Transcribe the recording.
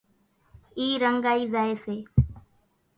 اِي رنڳائي زائي سي۔